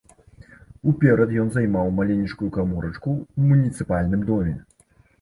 Уперад ён займаў маленечкую каморачку ў муніцыпальным доме.